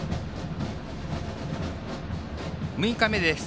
６日目です。